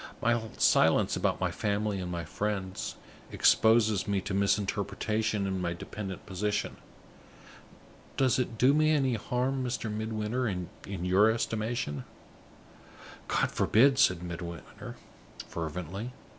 My silence about my family and my friends exposes me to misinterpretation in my dependent position. Does it do me any harm, Mr. Midwinter, in your estimation?" "God forbid!" said Midwinter, fervently.